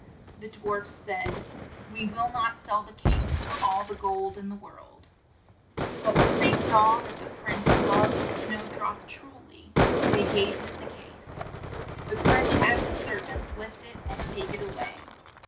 The dwarfs said, "We will not sell the case for all the gold in the world !'' But when they saw that the prince loved Snow drop tru ly, LITTLE SNOWDROP 75 they gave him the case. The prince had his ser vants lift it and take it a way.